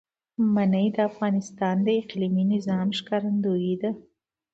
منی د افغانستان د اقلیمي نظام ښکارندوی ده.